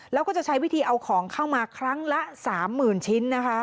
แล้วก็จะใช้วิธีเอาของเข้ามาครั้งละ๓๐๐๐ชิ้นนะคะ